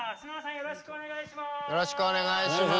よろしくお願いします。